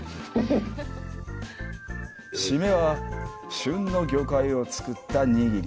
締めは、旬の魚介を使った握り。